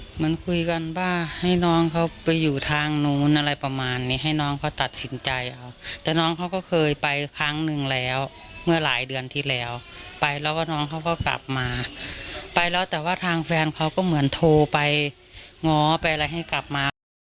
เหมือนคุยกันว่าให้น้องเขาไปอยู่ทางนู้นอะไรประมาณนี้ให้น้องเขาตัดสินใจเอาแต่น้องเขาก็เคยไปครั้งหนึ่งแล้วเมื่อหลายเดือนที่แล้วไปแล้วว่าน้องเขาก็กลับมาไปแล้วแต่ว่าทางแฟนเขาก็เหมือนโทรไปง้อไปอะไรให้กลับมา